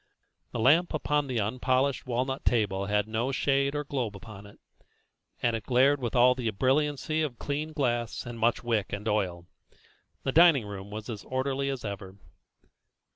The lamp upon the unpolished walnut table had no shade or globe upon it, and it glared with all the brilliancy of clean glass, and much wick and oil. The dining room was orderly as ever.